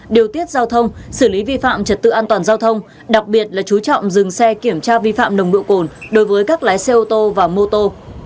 điều tiết giao thông xử lý vi phạm trật tự an toàn giao thông đặc biệt là chú trọng dừng xe kiểm tra vi phạm nồng độ cồn đối với các lái xe ô tô và mô tô